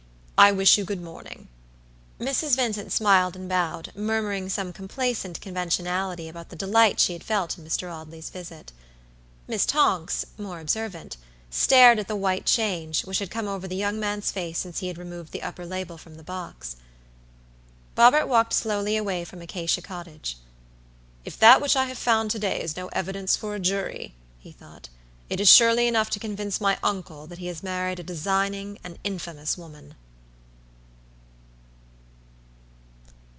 I wish you good morning." Mrs. Vincent smiled and bowed, murmuring some complacent conventionality about the delight she had felt in Mr. Audley's visit. Miss Tonks, more observant, stared at the white change, which had come over the young man's face since he had removed the upper label from the box. Robert walked slowly away from Acacia Cottage. "If that which I have found to day is no evidence for a jury," he thought, "it is surely enough to convince my uncle that he has married a designing and infamous woman."